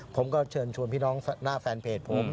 ผมก็เชิญชวนพี่น้องหน้าแฟนเพจผม